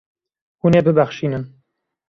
Hûn ê bibexşînin.